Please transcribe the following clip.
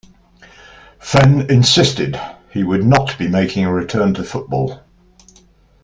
Fenn insisted he would not be making a return to football.